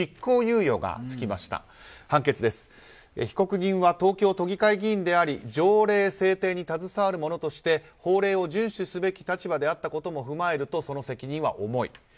被告人は東京都議会議員であり条例制定に携わる者として法令を順守すべき立場であったことも踏まえるとその責任は重い。